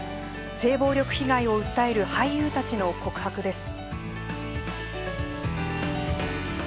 性暴力被害を訴える俳優たちの告白です。